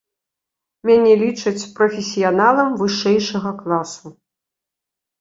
Мяне лічаць прафесіяналам вышэйшага класу.